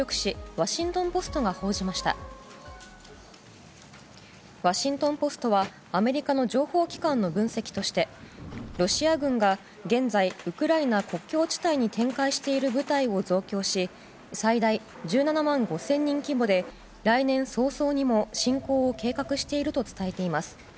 ワシントン・ポストはアメリカの情報機関の分析としてロシア軍が現在、ウクライナ国境地帯に展開している部隊を増強し最大１７万５０００人規模で来年早々にも侵攻を計画していると伝えています。